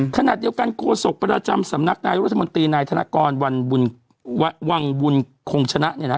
ขณะเดียวกันโฆษกประจำสำนักนายรัฐมนตรีนายธนกรวันวังบุญคงชนะเนี่ยนะ